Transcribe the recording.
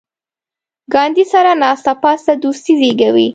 ګاونډي سره ناسته پاسته دوستي زیږوي